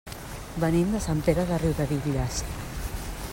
Venim de Sant Pere de Riudebitlles.